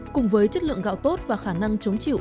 cùng với chất lượng gạo tốt và khả năng chống chịu